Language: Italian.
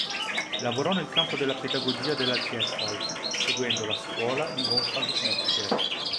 Lavorò nel campo della pedagogia della Gestalt, seguendo la "scuola" di Wolfgang Metzger.